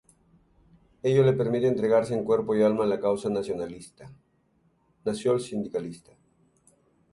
Ello le permite entregarse en cuerpo y alma a la causa nacionalsindicalista.